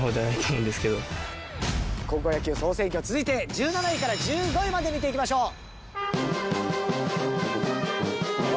高校野球総選挙続いて１７位から１５位まで見ていきましょう。